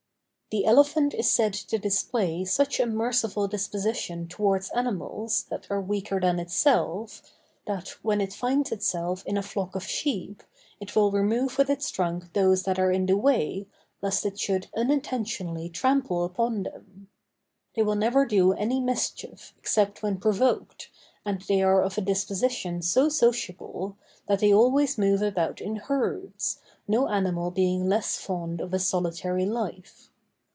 The elephant is said to display such a merciful disposition towards animals that are weaker than itself, that, when it finds itself in a flock of sheep, it will remove with its trunk those that are in the way, lest it should unintentionally trample upon them. They will never do any mischief except when provoked, and they are of a disposition so sociable, that they always move about in herds, no animal being less fond of a solitary life.